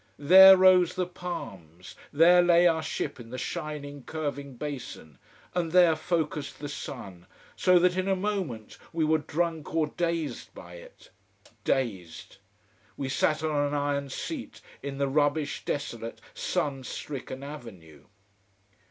There rose the palms, there lay our ship in the shining, curving basin and there focussed the sun, so that in a moment we were drunk or dazed by it. Dazed. We sat on an iron seat in the rubbish desolate, sun stricken avenue.